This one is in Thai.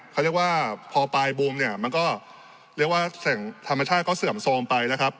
เขาเรียกว่าพอปลายบูมเนี่ยมันก็เรียกว่าสิ่งธรรมชาติก็เสื่อมโทรมไปนะครับ